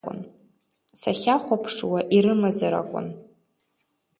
Сахьахәаԥшуа, ирымазар акәын.